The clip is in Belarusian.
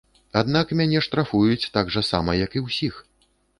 Аднак мяне штрафуюць так жа сама, як і ўсіх.